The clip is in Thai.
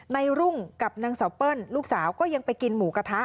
รุ่งกับนางเสาเปิ้ลลูกสาวก็ยังไปกินหมูกระทะ